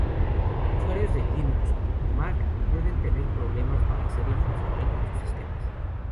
Usuarios de Linux y Mac pueden tener problemas para hacerla funcionar en sus sistemas.